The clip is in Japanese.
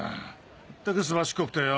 まったくすばしっこくてよ。